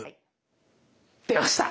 出ました。